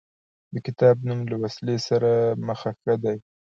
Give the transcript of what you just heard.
د کتاب نوم له وسلې سره مخه ښه دی.